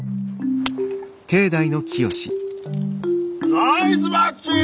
ナイスバッチン！